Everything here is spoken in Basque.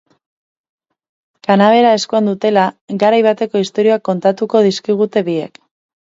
Kanabera eskuan dutela, garai bateko istorioak kontatuko dizkigute biek.